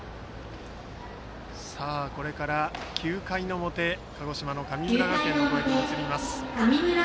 これから９回の表鹿児島の神村学園の攻撃です。